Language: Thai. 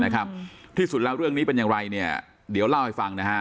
นะครับที่สุดแล้วเรื่องนี้เป็นอย่างไรเนี่ยเดี๋ยวเล่าให้ฟังนะฮะ